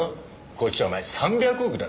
こっちはお前３００億だぞ。